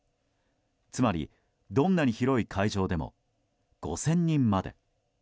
つまり、どんなに広い会場でも５０００人まで。